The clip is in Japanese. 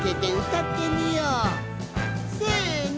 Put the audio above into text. せの。